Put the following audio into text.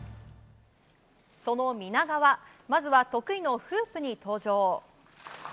その皆川まずは得意のフープに登場。